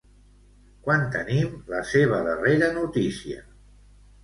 Quan tenim la seva darrere notícia?